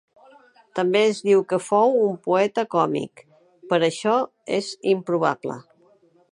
També es diu que fou un poeta còmic, però això és improbable.